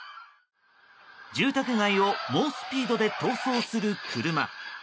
住宅街を猛スピードで逃走する車。